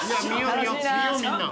見ようみんな。